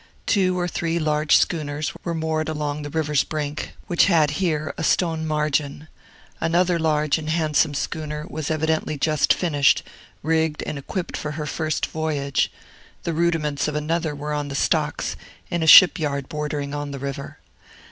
Two or three large schooners were moored along the river's brink, which had here a stone margin; another large and handsome schooner was evidently just finished, rigged and equipped for her first voyage; the rudiments of another were on the stocks, in a shipyard bordering on the river.